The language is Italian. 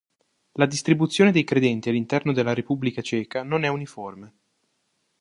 La distribuzione dei credenti all'interno della Repubblica Ceca non è uniforme.